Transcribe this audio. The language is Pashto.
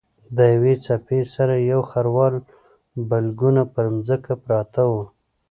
له یوې څپې سره یو خروار بلګونه پر ځمکه پراته وو.